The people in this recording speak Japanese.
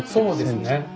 そうですね。